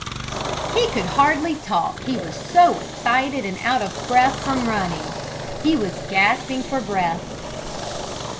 He could hardly talk he was so excited and out of breath from running. He was gasping for breath.